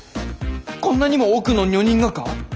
こんなにも多くの女人がか？